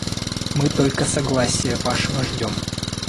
Мы — только согласия вашего ждем.